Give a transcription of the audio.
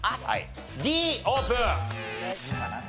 Ｄオープン！